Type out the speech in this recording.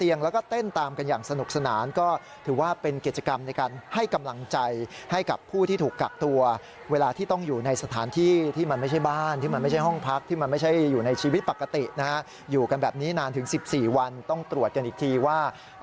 อยู่กันแบบนี้นานถึง๑๔วันต้องตรวจกันอีกทีว่า